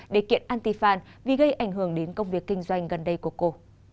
để kiện antifan vì gây ảnh hưởng đến công việc kinh doanh gần đây của cô